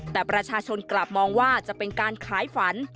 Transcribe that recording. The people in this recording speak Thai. แต่ประชาชนกลับมองว่าจะเป็นการขายฝัน